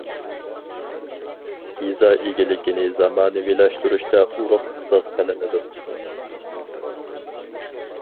يېزا ئىگىلىكىنى زامانىۋىلاشتۇرۇشتا ئۇرۇق ئاساس قىلىنىدۇ.